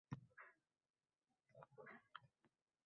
Nimadan toliqdim — men negadir juda qattiq charchabman…